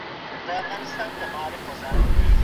د بریښنا تارونه باید لوڅ نه وي.